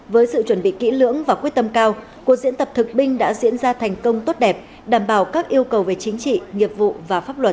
với sự chuẩn bị kỹ lưỡng và quyết tâm cao cuộc diễn tập thực binh đã diễn ra thành công tốt đẹp đảm bảo các yêu cầu về chính trị nghiệp vụ và pháp luật